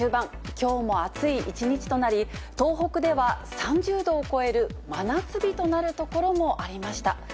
きょうも暑い一日となり、東北では３０度を超える真夏日となる所もありました。